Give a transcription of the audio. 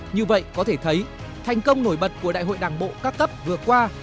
như vậy có thể thấy thành công nổi bật của đại hội đảng bộ các cấp vừa qua